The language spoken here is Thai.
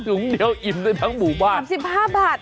ทุงเดียว๓๕บาท